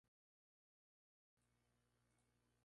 No es una ictericia preocupante.